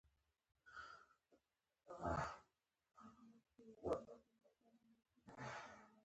غلبېل او کوزه دواړه بشري لاسته راوړنې دي